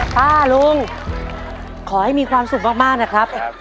ป้าลุงขอให้มีความสุขมากนะครับ